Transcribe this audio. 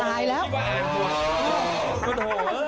โทษ